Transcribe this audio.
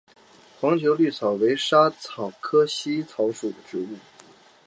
黄绿薹草为莎草科薹草属的植物。